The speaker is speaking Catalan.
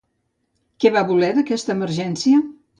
Què va voler d'aquesta emergència?